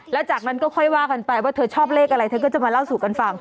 แล้วจากนั้นก็ค่อยว่ากันไปว่าเธอชอบเลขอะไรเธอก็จะมาเล่าสู่กันฟัง